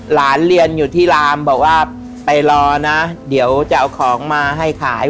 หลานเรียนอยู่ที่ลามบอกว่าไปรอนะเดี๋ยวจะเอาของมาให้ขาย